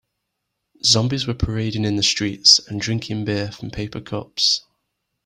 Zombies were parading in the streets and drinking beer from paper cups.